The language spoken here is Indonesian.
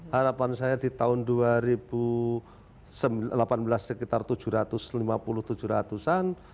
harapan saya di tahun dua ribu delapan belas sekitar tujuh ratus lima puluh tujuh ratus an